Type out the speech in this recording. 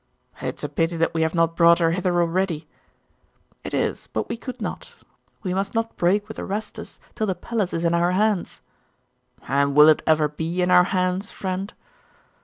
'It is a pity that we have not brought her hither already.' 'It is; but we could not. We must not break with Orestes till the palace is in our hands.' 'And will it ever be in our hands, friend?